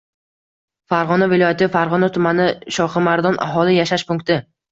Farg‘ona viloyati, Farg‘ona tumani, Shoximardon aholi yashash punkti